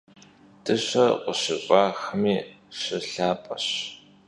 Dışer khışış'axmi şılhap'eş.